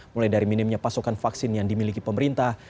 mulai dari minimnya pasokan vaksin yang dimiliki pemerintah